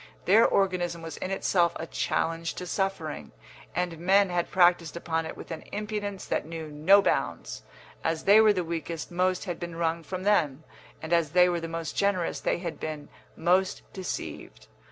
Their organism was in itself a challenge to suffering, and men had practised upon it with an impudence that knew no bounds. As they were the weakest most had been wrung from them, and as they were the most generous they had been most deceived.